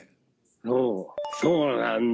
そうそうなんだよ。